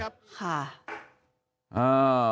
ค่ะ